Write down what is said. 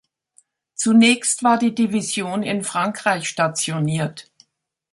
Zunächst war die Division in Frankreich stationiert.